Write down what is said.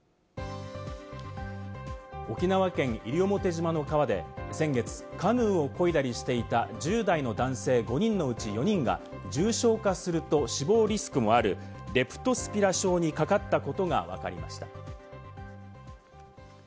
沖縄県西表島の川で先月、カヌーを漕いだりしていた１０代の男性５人のうち４人が重症化すると死亡リスクもあるレプトスピラ症にかかったことがわかりました。